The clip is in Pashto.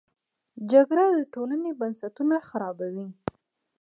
جګړه د ټولنې بنسټونه خرابوي